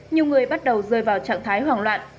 nhiều người bắt đầu rơi vào trạng thái hoảng loạn